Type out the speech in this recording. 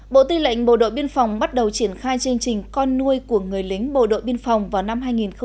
bộ tư lệnh bộ đội biên phòng bắt đầu triển khai chương trình con nuôi của người lính bộ đội biên phòng vào năm hai nghìn một mươi chín